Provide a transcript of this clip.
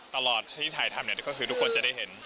ตลอดที่ถ่ายทำก็คือทุกคนจะได้เห็น